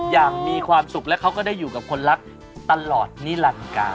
อย่างมีความสุขและเขาก็ได้อยู่กับคนรักตลอดนิรันการ